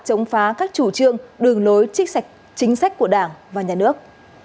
chống phá các chủ trương đường lối chính sách của đảng và nhà nước